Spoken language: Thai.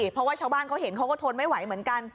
เพราะว่าชาวบ้านเขาเห็นเขาก็ทนไม่ไหวเหมือนกัน